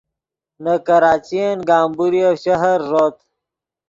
نے کراچین گمبوریف شہر ݱوت